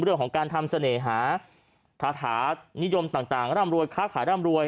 เรื่องของการทำเสน่หาคาถานิยมต่างร่ำรวยค้าขายร่ำรวย